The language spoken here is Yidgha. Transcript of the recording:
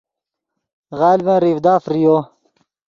غلڤن ریڤدا فریو